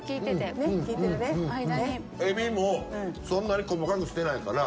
エビもそんなに細かくしてないから。